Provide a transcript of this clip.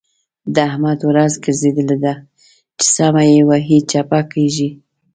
د احمد ورځ ګرځېدل ده؛ چې سمه يې وهي - چپه کېږي.